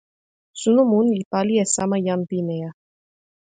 suno mun li pali e sama jan pimeja